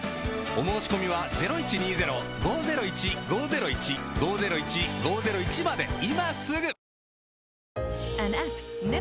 お申込みは今すぐ！